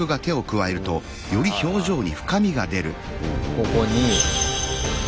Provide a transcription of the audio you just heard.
ここに。